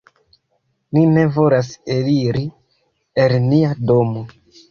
Ni ne volas eliri el nia domo.